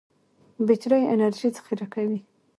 بټري انرژي ذخیره کوي.